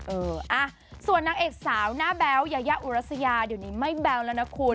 เอออ่ะส่วนนางเอกสาวหน้าแบ๊วยายาอุรัสยาเดี๋ยวนี้ไม่แบ๊วแล้วนะคุณ